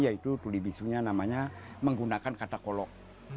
yaitu tuli bisunya namanya menggunakan kata kolok